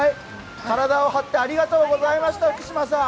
体を張ってありがとうございました、福島さん。